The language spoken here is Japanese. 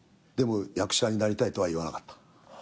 でも役者になりたいとは言わなかった。